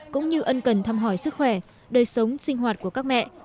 cũng như ân cần thăm hỏi sức khỏe đời sống sinh hoạt của các mẹ